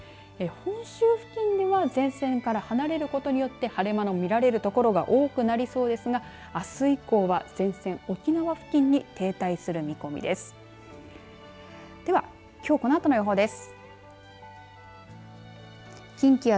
本州付近では前線から離れることによって晴れ間の見られる所が多くなりそうですがあす以降は前線、沖縄付近に停滞する見込みです。